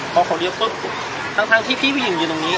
เพราะเขาเรียกก่อนทั้งที่พี่ผู้หญิงอยู่ตรงนี้